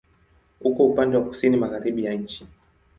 Uko upande wa kusini-magharibi ya nchi.